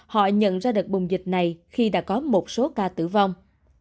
họ nhận ra đợt bùng dịch này khi đã có một số ca tử vong